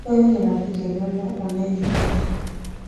Wewe ni rafiki mwema unayenipenda.